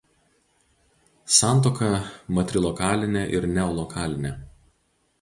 Santuoka matrilokalinė ir neolokalinė.